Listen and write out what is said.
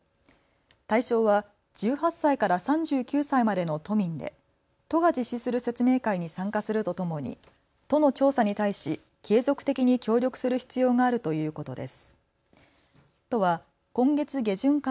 対象は１８歳から３９歳までの都民で、都が実施する説明会に参加するとともに都の調査に対し継続的に協力する必要があるということです。